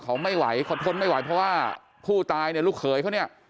เขาไม่ไหวเขาทนไม่ไหวเพราะว่าผู้ตายเนี่ยลูกเขยเขาเนี่ย